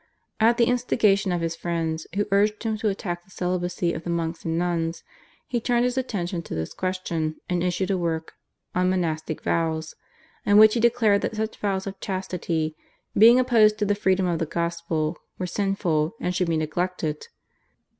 At the instigation of his friends, who urged him to attack the celibacy of the monks and nuns, he turned his attention to this question, and issued a work /On Monastic Vows/, in which he declared that such vows of chastity, being opposed to the freedom of the Gospel, were sinful and should be neglected.